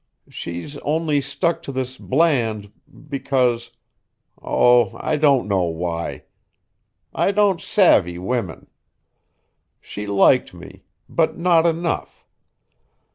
She's only stuck to this Bland because oh, I don't know why. I don't savvy women. She liked me. But not enough.